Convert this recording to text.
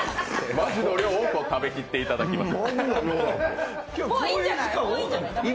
マジの量を食べきっていただきます。